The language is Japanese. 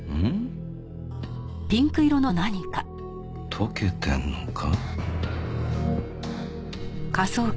溶けてるのか？